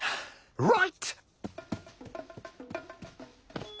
うわわっ！